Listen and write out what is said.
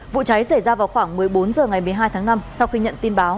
vụ cháy xảy ra vào khoảng một mươi bốn h ngày một mươi hai tháng năm sau khi nhận tin báo